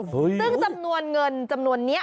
ซึ่งจำนวนเงินจำนวนนี้